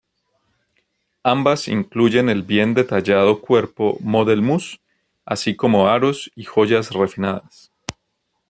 Ambas incluyen el bien detallado cuerpo "model muse" así como aros y joyas refinadas.